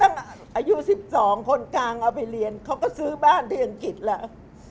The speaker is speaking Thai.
อายุ๑๒คนกลางเอาไปเรียนเขาก็ซื้อบ้านเดือนกิจแล้ว